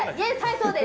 そうです。